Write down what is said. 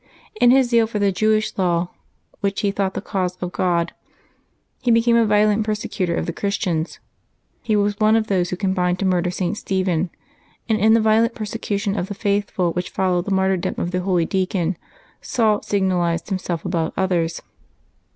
In his zeal for the Jewish law, which he thought the cause of God, he became a violent persecutor of the Christians. He was one of those who combined to murder .St. Stephen, and in the violent persecution of the faithful which followed the martyrdom of the holy deacon, Saul signalized himself above others.